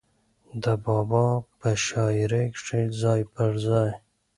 د بابا پۀ شاعرۍ کښې ځای پۀ ځای